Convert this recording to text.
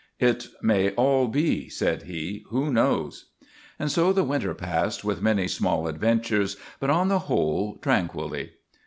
"It may all be," said he. "Who knows?" And so the winter passed with many small adventures, but on the whole tranquilly.